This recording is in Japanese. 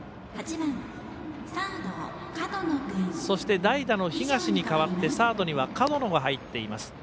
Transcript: そして、代打の東に代わってサードには門野が入っています。